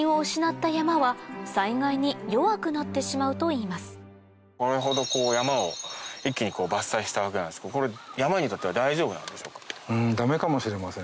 そのためこれほど山を一気に伐採したわけなんですけどこれ山にとっては大丈夫なんでしょうか？